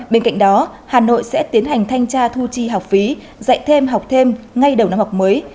bên cạnh đó hà nội sẽ tiến hành thanh tra thu chi học phí dạy thêm học thêm ngay đầu năm học mới